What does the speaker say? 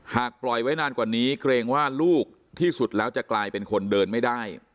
ปล่อยไว้นานกว่านี้เกรงว่าลูกที่สุดแล้วจะกลายเป็นคนเดินไม่ได้